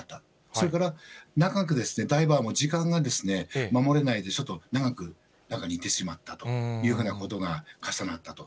それから、長くダイバーも、時間が守れないで、ちょっと長く中にいてしまったというふうなことが重なったと。